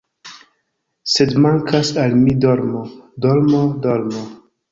♫ Sed mankas al mi dormo, dormo, dormo ♫